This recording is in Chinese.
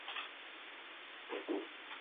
影像制作公司